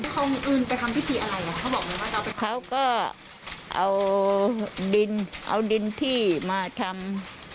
เขาก็เอาดินที่มาทำ